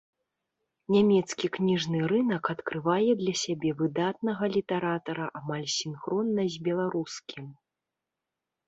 Нямецкі кніжны рынак адкрывае для сябе выдатнага літаратара амаль сінхронна з беларускім.